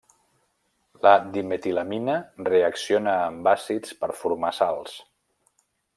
La dimetilamina reacciona amb àcids per formar sals.